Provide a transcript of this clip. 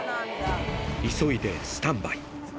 急いでスタンバイ。